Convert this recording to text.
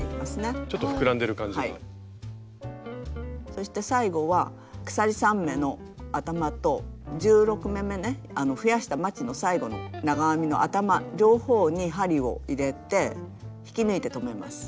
そして最後は鎖３目の頭と１６目めね増やしたまちの最後の長編みの頭両方に針を入れて引き抜いて止めます。